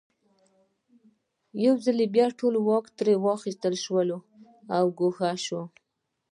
یو ځل بیا ټول واکونه ترې واخیستل شول او ګوښه شو.